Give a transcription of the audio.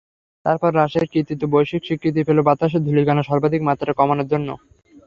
তারপর রাজশাহীর কৃতিত্ব বৈশ্বিক স্বীকৃতি পেল বাতাসের ধূলিকণা সর্বাধিক মাত্রায় কমানোর জন্য।